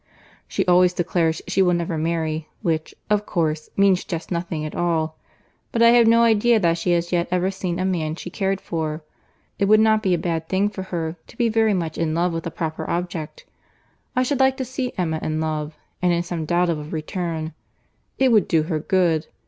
"She always declares she will never marry, which, of course, means just nothing at all. But I have no idea that she has yet ever seen a man she cared for. It would not be a bad thing for her to be very much in love with a proper object. I should like to see Emma in love, and in some doubt of a return; it would do her good.